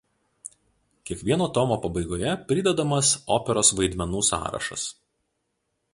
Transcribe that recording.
Kiekvieno tomo pabaigoje pridedamas operos vaidmenų sąrašas.